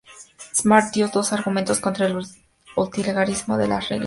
Smart dio dos argumentos contra el utilitarismo de las reglas.